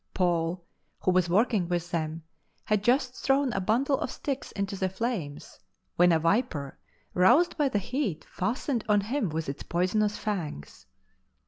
Paul, who was working with them, had just thrown a bundle of sticks into the flames when a viper, roused by the heat, fastened on him with its poisonous fangs.